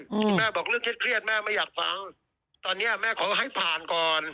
คุณแม่บอกเรื่องเครียดแม่ไม่อยากฟังตอนเนี้ยแม่ขอให้ผ่านก่อน